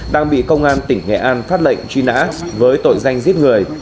đang bị công an tỉnh nghệ an phát lệnh truy nã với tội danh giết người